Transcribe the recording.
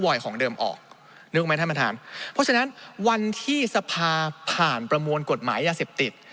ของเดิมออกนึกไหมท่านประธานเพราะฉะนั้นวันที่สภาผ่านประมวลกฎหมายยาเสพติด